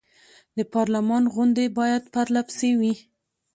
د پارلمان غونډې باید پر له پسې وي.